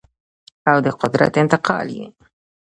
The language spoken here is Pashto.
او د قدرت انتقال یې